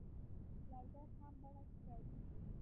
لرګی خام بڼه کې کاریږي.